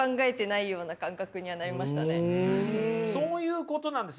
そういうことなんです。